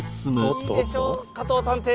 いいでしょう加藤探偵。